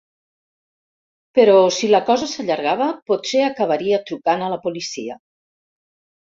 Però si la cosa s'allargava potser acabaria trucant a la policia.